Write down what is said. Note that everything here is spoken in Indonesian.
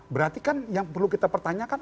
berarti kan yang perlu kita pertanyakan